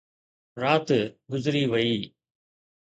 رات گذري وئي.